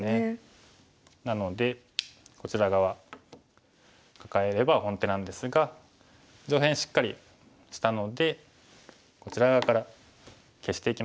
なのでこちら側カカえれば本手なんですが上辺しっかりしたのでこちら側から消していきましょう。